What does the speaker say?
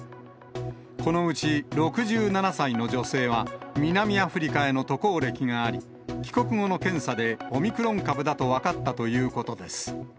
このうち６７歳の女性は、南アフリカへの渡航歴があり、帰国後の検査で、オミクロン株だと分かったということです。